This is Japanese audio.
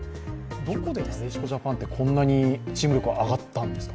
どこでなでしこジャパンってこんなにチーム力上がったんですか？